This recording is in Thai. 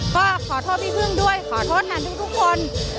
ก็ขอโทษพี่พึ่งด้วยขอโทษแทนทุกคน